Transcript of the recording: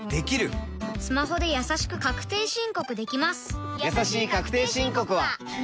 スマホでやさしく確定申告できます